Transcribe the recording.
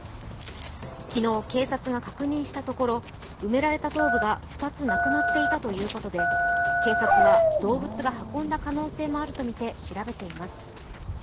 昨日、警察が確認したところ埋められた頭部が２つなくなっていたということで、警察は動物が運んだ可能性もあるとみて調べています。